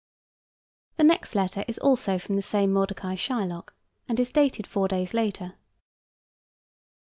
The next letter is also from the same Mordecai Shylock, and is dated four days later.